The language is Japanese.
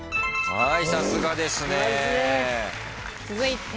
はい。